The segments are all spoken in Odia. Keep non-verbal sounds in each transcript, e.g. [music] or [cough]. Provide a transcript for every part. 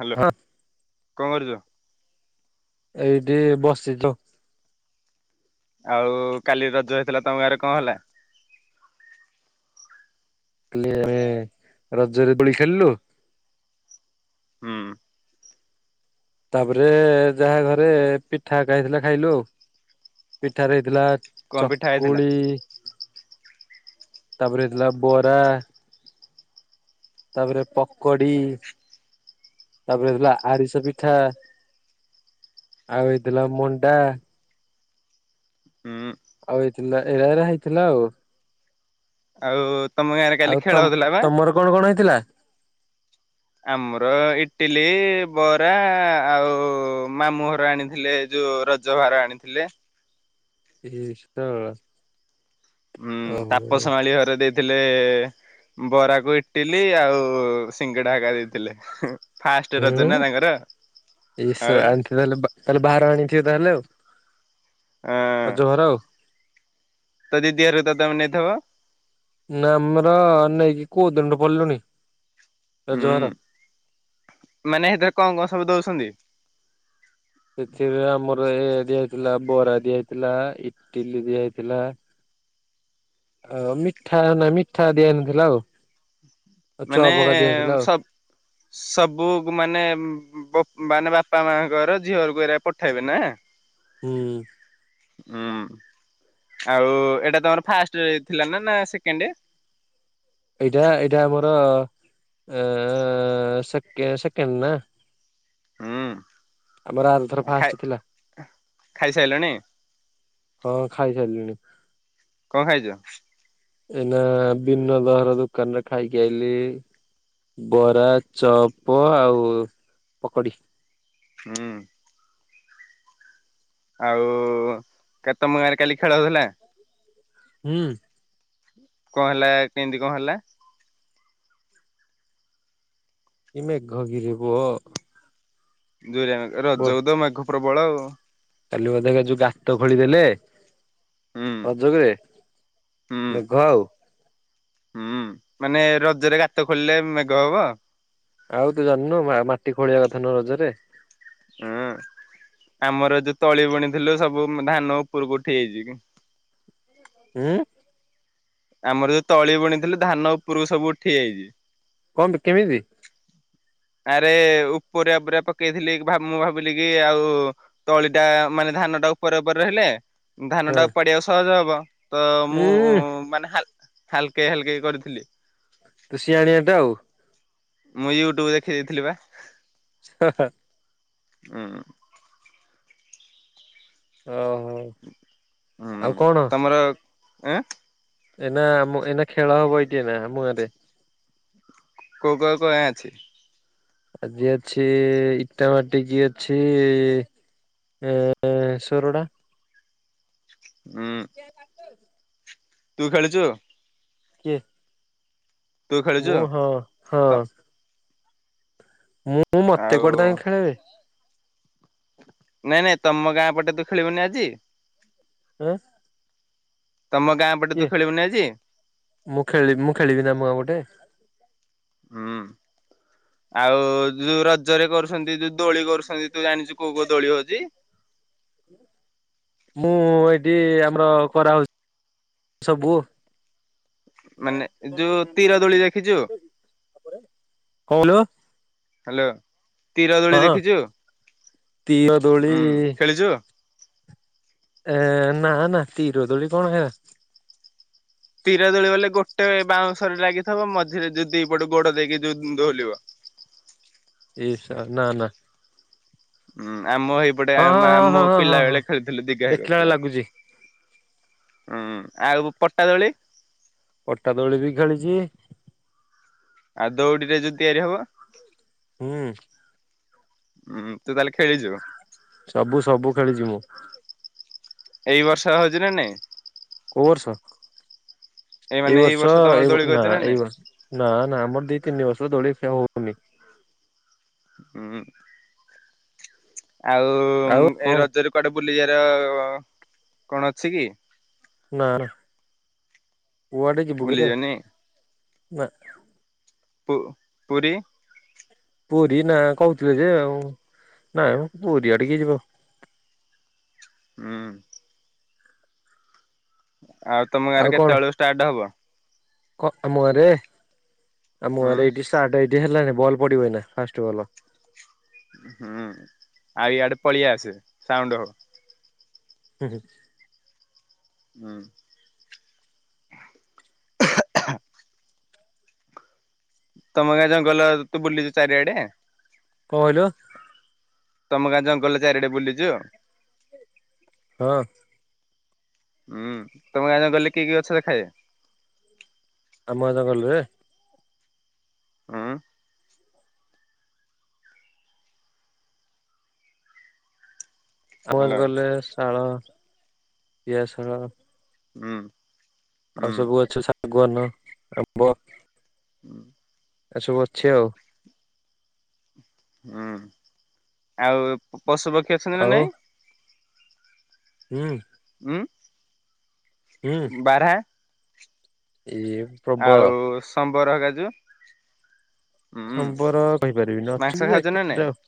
ହାଲୋ ହଁ କଁ କରୁଚ? ଏଇଠି ବସିଚୁ। ଆଉ କାଲି ରଜ ହେଇଥିଲା ତମ ଗାଁରେ କଁ ହେଲା? କାଲି ଆମେ ରଜରେ ଦୋଳି ଖେଳିଲୁ। ହୁଁ। ତାପରେ ଯାହା ଘରେ ପିଠା ଖାଇଥିଲା ଖାଇଲୁ ପିଠା ରେ ହେଇଥିଲା କଣ ପିଠା ହେଇଥିଲା? ଚକୁଳି ତାପରେ ହେଇଥିଲା ବରା। ତାପରେ ପକୋଡି ତାପରେ ହେଇଥିଲା ଆରିସା ପିଠା। ଆଉ ହେଇଥିଲା ମଣ୍ଡା। ହୁଁ ଆଉ ହେଇଥିଲା ଏରାଏରା ହେଇଥିଲା ଆଉ। ଆଉ ତମ ଗାଁ ରେ କାଲି ଆଉ ତମ ଖେଳ ହଉଥିଲା ବା? ତମର କଣ କଣ ହେଇଥିଲା? ଆମର ଇଟିଲି, ବରା ଆଉ ମାମୁଁ ଘର ଆଣିଥିଲେ ଯୋଉ ରଜ ରଜ ଭାର ଆଣିଥିଲେ। [unintelligible] ଉଁ ଓହୋ ହୁଁ ତାପସ ମାଳି ଘରେ ଦେଇ ଥିଲେ ବରାକୁ ଇଟିଲି ଆଉ ସିଙ୍ଗିଡା ହେକା ଦେଇଥିଲେ। ଫାଷ୍ଟ ରଜ ନା ତାଙ୍କର ଆଉ ସେ ତାହଲେ ବା ତାହେଲେ ଭାର ଆଣିଥିବେ ତାହେଲେ ଆଉ। ଆଁ। ରଜ ଭାର ଆଉ। ତୋ ଦିଦି ଘର କୁ ତ ତମେ ନେଇଥବ? ନା ଆମର ନେଇକି କୋଉ ଦିନରୁ ପଡିଲୁଣି ରଜ ହୁଁ ଭାର। ମାନେ ସେଥିରେ କଣ କଣ ସବୁ ଦଉଛନ୍ତି? ସେଥିରେ ଆମର ଏଇଆ ଏଇଆ ଦିଆହେଇଥିଲା ବରା ଦିଆହେଇଥିଲା ଇଟିଲି ଦିଆହେଇଥିଲା। [inaudible] ଆଉ ମିଠା ନା ମିଠା ଦିଆହେଇନଥିଲା ଆଉ ଆଉ ମାନେ ଚପ୍ ହେକା ଦିଆହେଇଥିଲା ଆଉ। ସବ ସବୁ ମାନେ ବପ୍ ମାନେ ବାପା ମାଙ୍କର ଝିଅଘରକୁ ଏରା ପଠେଇବେ ନା? ହ ହୁଁ। ହୁଁ ଆଉ ଏଇଟା ତମର ଫାଷ୍ଟ ଥିଲା ନା ନା ସେକେଣ୍ଡ? ଏଇଟା ଏଇଟା ଆମର ଅ ସେକେ ସେକେଣ୍ଡ ନା। ହୁଁ ଆମର ଆର ଥର ଫାଷ୍ଟ ଥିଲା। ଖାଇ ସାରିଲଣି? ହଁ ଖାଇ ସାରିଲିଣି। କଣ ଖାଇଛ? ଏଇନା ବିନଦ ଘର ଦୋକାନରେ ଖାଇକି ଆଇଲି। ବରା, ଚପ ଆଉ ପକଡି। ହୁଁ। ଆଉ କେତ ତମ ଗାଁରେ କାଲି ଖେଳ ହଉଥିଲା? ହୁଁ। କଣ ହେଲା କେମତି କଣ ହେଲା? କି ମେଘ ଗିରି ପୁଅ। ଦୁରିଆ ରଜକୁ ତ ମେଘ ପ୍ରବଳ ଆଉ। କାଲି ବୋଧେ ଯୋଉ ଗାତ ଖୋଳିଦେଲେ। ହୁଁ ରଜ ବେଳେ ହୁଁ ମେଘ ଆଉ। ହୁଁ, ମାନେ ରଜରେ ଗାତ ଖୋଳିଲେ ମେଘ ହେବ। ଆଉ ତୁ ଜାଣିନୁ ମା ମାଟି ଖୋଳିବା କଥା ନୁହ ରଜରେ। ହୁଁ, ଆମର ଯୋଉ ତଳି ବୁଣିଥିଲୁ ସବୁ ଧାନ ଉପରକୁ ଉଠି ଯାଇଛି କି ହୁଁ। ଆମର ଯୋଉ ତଳି ବୁଣିଥିଲୁ ଧାନ ଉପରକୁ ସବୁ ଉଠିଯାଇଛି। କଣଟେ କେମିତି? ଆରେ ଉପରେଆ ପୁରା ପକେଇଥିଲି ମୁଁ ଭାବିଲି କି ଆଉ ତଳି ଟା ମାନେ ଧାନଟା ଉପରେ ଉପରେ ରହିଲା। ଧାନ ଟା ହଁ ଉପାଡିବାକୁ ସହଜ ହବ ତ ମୁଁ ଉଁ ମାନେ ହାଲ ହାଲକେ ହାଲକେଇ କରିଥିଲି। ତୁ ସିଆଣିଆ ଟା ଆଉ। ମୁଁ ୟୁଟ୍ୟୁବ ଦେଖି ଦେଇଥିଲି ବା। ହ, ହ। ହୁଁ। ଓହୋ ହୁଁ, ଆଉ କଣ ତମର ଏଁ ଏନା ଆମ ଏନା ଖେଳ ହେବ ଏଇଠି ନା ଆମ ଗାଁରେ। କୋଉ କ କୟା ଅଛି? ଆଜି ଅଛି ଇଟା ମାଟିକି ଅଛି। ଏ ଏ ସରଡ଼ା। ହୁଁ। ତୁ ଖେଳୁଛୁ? କିଏ? ତୁ ଖେଳୁଛୁ ମୁଁ, ହଁ ହଁ। ତ ମୁଁ ମୋତେ ଆଉ କୁଆଡ଼େ ତାଙ୍କେ ଖେଳେଇବେ। ନାଇଁ ନାଇଁ ତମ ଗାଁ ପଟେ ତୁ ଖେଳିବୁନି ଆଜି? ଆଁ? ତମ ଗାଁ ପଟେ କିଏ ତୁ ଖେଳିବୁନି ଆଜି? ମୁଁ ଖେଳି ମୁଁ ଖେଳିବି ନା ଆମ ଗାଁ ପଟେ। ହୁଁ। ଆଉ ଯୋଉ ରଜରେ କରୁଛନ୍ତି, ଯୋଉ ଦୋଳି କରୁଛନ୍ତି ତୁ ଜାଣିଛୁ କୋଉ କୋଉ ଦୋଳି ହଉଛି? ମୁଁ ଏଇଠି ଆମର କରାହଉଛି। ସବୁ ନ [inaudible] ମାନେ ଙ୍କ ଯୋଉ ତୀର ଦୋଳି ଦେଖିଛୁ କହିଲୁ? ହାଲୋ। ତୀର ଦୋଳି ହଁ ଦେଖିଛୁ, ତୀର ଦୋଳି ଉଁ ଖେଳିଛୁ? ଏ ନା ନା ତୀର ଦୋଳି କଣ ହେରା? ତୀରା ଦୋଳି ବଲେ ଗୋଟେ ବାଉଁଶରେ ଲାଗିଥିବ ମଝିରେ ଯୋଉ ଦିପଟୁ ଗୋଡ ଦେଇକି ଯୋଉ ଦୋହଲିବ। ଏଇ ସାର୍ ନା ନା। ହୁଁ, ଆମ ଏଇପଟେ ହଁ ହଁ ହଁ ମଁ ହଁ ହଁ ହଁ ପିଲା ହଁ ବେଳେ ଖେଳିଥିଲୁ ଦିଗ ହେଇ ଦେଖିଲା ବେଳେ [inaudible] ଲାଗୁଛି। ହୁଁ ଆଉ ପଟାଦୋଳି ପଟା ଦୋଳି ବି ଖେଳିଛି ଆଉ ଦଉଡିରେ ଯୋଉ ତିଆରି ହବ ହୁଁ ହୁଁ ତୁ ତାହେଲେ ଖେଳିଛୁ ସବୁ ସବୁ ଖେଳିଛି ମୁଁ ଏଇ ବର୍ଷ ହଉଛି ନା ନାଇଁ କୋଉ ବର୍ଷ ଏଇ ମାନେ ବର୍ଷ ତମର ଦୋଳି ଏ ନା କରିଛ ନାଇଁ? ଏବର୍ଷ ନା ନା ଆମର ଦି ତିନି ବର୍ଷ ଦୋଳି ଫିଆ ହଉନି ହୁଁ ଆଉ ଆଉ ଏ କଣ ରଜରେ କୁଆଡେ ବୁଲା ନିଜର କଣ ଅଛି କି ନା ନା କୁଆଡେ ଯିବୁକି ରେ ବୁଲିଯିବାନି [unintelligible] ପୁ ପୁରୀ ପୁରୀ ନା କହୁଥିଲେ ଯେ ଆଉ ନାହିଁ ପୁରୀ ଆଡିକେ ଯିବ ହୁଁ ଆଉ ତମେ ଗାଁ ରେ କେତେବେଳକୁ ଷ୍ଟାର୍ଟ ହେବ [unintelligible] ଆମ ଘରେ ଉଁ ଷ୍ଟାର୍ଟ ଏଇଠି ହେଲାନି ବଲ୍ ପଡିବ ଏଇନା ଫାଷ୍ଟ ବଲ୍ ହୁଁ ଆଉ ଇଆଡେ ପଳେଇଆ ଆସେ ସାଉଣ୍ଡ ହବ ହୁଁ ହୁ [inaudible] ତମେ ଗାଁ ଜଙ୍ଗଲ ତୁ ବୁଲିଛୁ ଚାରିଆଡେ କଁ କହିଲ ତମ ଗାଁ ଜଙ୍ଗଲରେ ଚାରିଆଡେ ବୁଲିଛୁ ହଁ ହୁଁ ତମ ଗାଁ ଜଙ୍ଗଲ ରେ କିଇ କିଇ ଗଛ ଦେଖାଯାଏ? ଆମ ଗାଁ ଜଙ୍ଗଲରେ ହୁଁ ସମ [unintelligible] ହାଲୋ ଗଲେ ଶାଳ ପିଆ ଶାଳ ହୁଁ ଆଉ ସବୁ ଗଛ ଶାଗୁଆନ ଆମ୍ବ [inaudible] ଏସବୁ ଅଛି ଆଉ ହୁଁ ଆଉ ପଶୁ ପକ୍ଷୀ ଅଛନ୍ତି ନା ଆଉ ନାଇଁ ହୁଁ ହଁ ହୁଁ ବାରାହା [unintelligible] ଆଉ ସମ୍ବର ହରିକା ଯୋଉ ଉଁ ସମ୍ବର କହିପାରିବିି ମାଂସ ନଥିଲି ଯେ ଖାଉଛ ନା ନାଇଁ? କେତେଟା ଆଉ।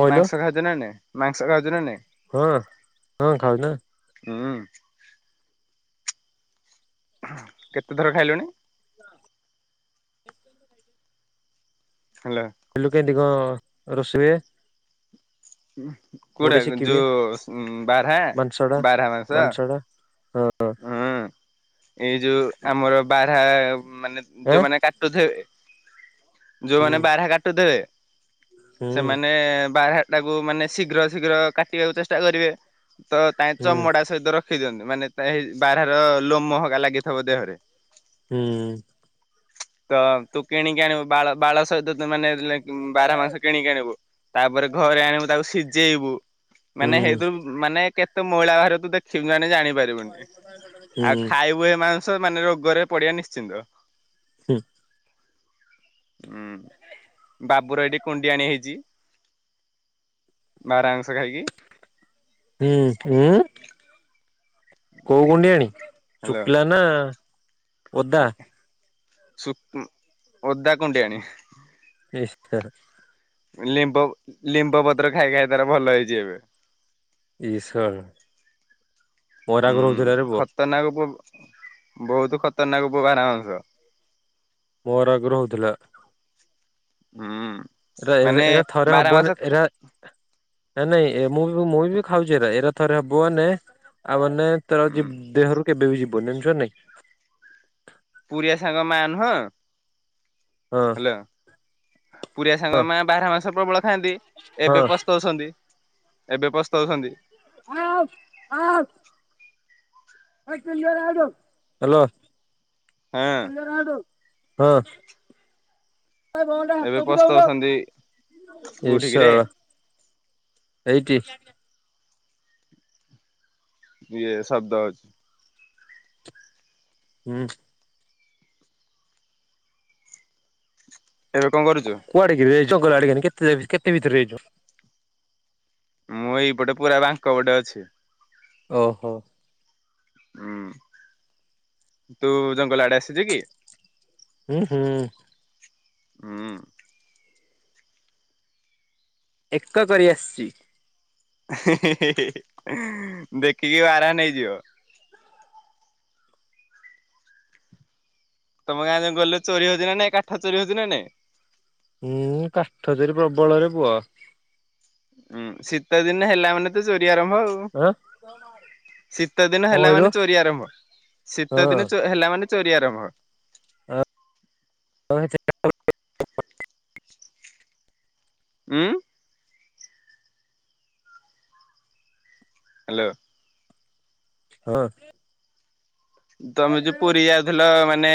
କହିଲ ମାଂସ ଖାଉଚୁ ନା ନାହିଁ ମାଂସ ଖାଉଚୁ ନା ନାହିଁ? କଣ ହଁ ଖାଉଚି ନାଁ। ହଁ। କେତେଥର ଖାଇଲୁଣି? ହାଲୋ। କଲୁକି ଏଦିଗ ରୋଷେଇ। ମୁଁ କୁକୁଡ଼ା ଟିକେ ଶିଖିବି ଯୋଉ ବାରାହା ମାଂସଟା ବାରାହା ମାଂସ। ମାଂସଟା ହଁ। ହୁଁ ଏଇ ଯୋଉ ଆମର ବାରାହା ମାନେ ଆଁ ଯୋଉମାନେ କାଟୁଥୁବେ। ହୁଁ ଯୋଉମାନେ ବାରାହା କାଟୁ ଥୁବେ। ହୁଁ ସେମାନେ ବାରାହା ଟାକୁ ମାନେ ଶୀଘ୍ର ଶୀଘ୍ର କାଟିବାକୁ ଚେଷ୍ଟା କରିବେ। ତ ତା ହୁଁ ଚମଡା ସହିତ ରଖି ଦିଅନ୍ତି ମାନେ ତାହେଇ ବାରାର ଲୋ ମହେରିକା ଲାଗିଥିବ ଦେହରେ। ହୁଁ। ହ ତ ତୁ କିଣିକି ଆଣିବୁ ବାଳ ବାଳ ସହିତ ମାନେ ବାରାହା ମାସଂ କିଣିକି ଆଣିବୁ। ତାପରେ ଘରେ ଆଣିବୁ ତାକୁ ସିଜେଇବୁ। ହୁଁ ମାନେ ହେଇଥିରୁ ମାନେ କେତେ ମଇଳା ବହାରିବ ତୁ ଦେଖିବୁ ମାନେ ଜାଣିପାରିବୁ। ହୁଁ ଆଉ ଖାଇବୁହେ ମାଂସ ମାନେ ରୋଗରେ ପଡିବା ନିଶ୍ଚିନ୍ତ। ହୁଁ। ହୁଁ ବାବୁର ଏଇଠି କୁଣ୍ଡି ଆଣି ହେଇଚି। ବାରା ମାସଂ ଖାଇକି। ହୁଁ ଉଁ। କୋଉ ଗୁଣ୍ଡି ଆଣି ଚୁପିଲା ନା? ଓଦା ଏ ସୁଙ୍କୁ ଅଦା ଓଦାକୁଣ୍ଡିଆଣି। ନିଷ୍ଠାର। ଲିମ୍ବ ଲିମ୍ବ ପତ୍ର ଖାଇ ଖାଇ ତାର ଭଲ ହେଇଚି ଏବେ। ଇସ୍ ଶଳା ମୋର ଆଗରୁ ହଉଥିଲାରେ ହୁଁଖ୍ ପୁଅ ଖତରନାକ ପୁଅ ବହୁତୁ ଖତରନାକ ପୁଅ ବାରା ମାଂସ। ମୋର ଆଗ୍ରହ ହେଉଥିଲା। ହୁଁ। ଏରା ମାନେ ଏରା ଥରେ ବାରହା ମାଂସ ହବନେହିଁ ଖା ଏରା। ନାଇଁ ଏ ମୁଁ ମୁଁ ବି ଖାଉଛି ଏରା ଏରା ଥରେ ହବ ମାନେ ଆଉ ମାନେ ତ ହୁଁ। ଅ ଦେହରୁ କେ ବେବି ଜୀବନେହିଁ ଯାଣିଚ ନାହିଁ। ପୁରଆ ସାଙ୍ଗ ମା ନୁହଁ। ହଁ ହାଲୋ। ପୁରୀଆ ସାଙ୍ଗ ହଁ ମା ବାରା ମାଂସ ପ୍ରବଳ ଖାଆନ୍ତି ଏବେ ହଁ। ପସ୍ତୋ ଉଛନ୍ତି। ଏବେ ପସ୍ତୋଉଛନ୍ତି। ହୁଁ ଆଉ ହାଉ। ହଲୋ। ହଁ ହଁ। ବଲଟା ଏବେ ଟେକିଦୋ ପସ୍ତଉଛନ୍ତି ଉନୋହୁଁ କୋଉଠିକିରେ ଏଶଳା। ଏଇଠି। ଇଏ ଶବ୍ଦ ଅଛି। ହୁଁ। ଏବେ କଣ କରୁଚୁ? କୁଆଡେ କିରେ ଜଙ୍ଗଲ ଆଡେ କେ କେତେ କେତେ ଭିତରେ ଯାଇଚୁ? ମୁଁ ଏଇପଟେ ପୁରା ବାଙ୍କ ପଟେ ଅଛି। ଓହୋ। ଉୁଁ। ତୁ ଜଙ୍ଗଲ ଆଡେ ଆସିଚୁ କି? ଉଁ, ହୁଁ। ହୁଁ। ଏକ କରି ଆସଚି। ଦେଖିକି ବାରହା ନେଇଯିବ। ତମ ଗାଁ ଜଙ୍ଗଲରେ ଚୋରି ହଉଛି ନା ନାଇ? କାଠ ଚୋରି ହଉଛି ନା ନାଇଁ? ହୁଁ କାଠ ଚୋରି ପ୍ରବଳରେ ପୁଅ। ଉୁଁ, ଶୀତ ଦିନ ହେଲା ମାନେ ତ ଚୋରି ଆରମ୍ଭ ଆଉ। କଣ ଶୀତ ଦିନ ହେଲା କହିଲୁ ହଁ। ମାନେ ଚୋରି ଆରମ୍ଭ। ଶୀତ ହଁ ଦିନ ଚୋ ହେଲା ମାନେ ଚୋରି ଆରମ୍ଭ। [unintelligible] ଉଁ? ହ୍ୟାଲୋ। ହଁ। ତମେ ଯୋଉ ପୁରୀ ଯାଉଥିଲ ମାନେ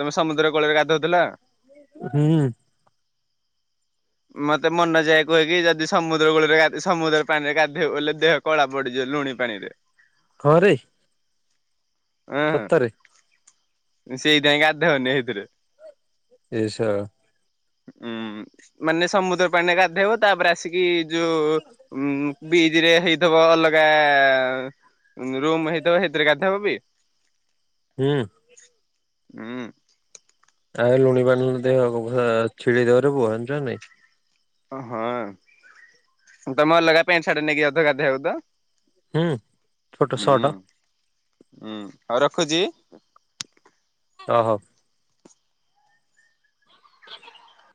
ତମେ ସମୁଦ୍ର କୂଳରେ ଗାଧଉଥିଲ? ହୁଁ। ମତେ ମନୋଜଭାଇ କୁହେ କି ଯଦି ସମୁଦ୍ର କୂଳରେ ଗାଧେଇବୁ, ସମୁଦ୍ର ପାଣିରେ ଗାଧେଇବୁ ବୋଲେ ଦେହ କଳା ପଡିଯିବ ଲୁଣି ପାଣି ରେ। କହରେ ଅଁ ମୁଁ ସେଇଥିାଇଁ ଗାଧୋଉନି ସେଇଥିରେ। ଏ ସ ଉଁ ମାନେ ସମୁଦ୍ର ପାଣିରେ ଗାଧେଇବ। ତାପରେ ଆସିକି ଯୋଉ ଉଁ ବିଜ ରେ ହେଇଥିବ ଅଲଗା ରୁମ ହେଇଥବ ସେଇଥିରେ ଗାଧେଇବ ବି। ହୁଁ। ଉଁ। ଆଉ ଲୁଣି ପାଣିରେ ଦେହ ଛିଡେଇ ଦବରେ ପୁଅ ଜାଣିଚୁ ନାଇଁ? ହଁ ତମେ ଅଲଗା ପ୍ୟାଣ୍ଟ, ସାର୍ଟ ନେଇକି ଯାଉଥିବ ଗାଧେଇବାକୁ ତ? ହୁଁ ଛୋଟ ହୁଁ, ସଟ ଉଁ ହଉ ରଖୁଛି। ଓହୋ। [unintelligible]